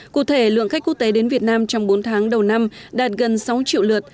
cụ thể lượng khách quốc tế đến việt nam trong bốn tháng đầu năm đạt gần sáu triệu lượt